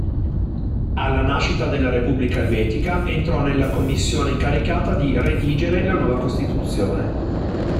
Alla nascita della Repubblica Elvetica entrò nella Commissione incaricata di redigere la nuova costituzione.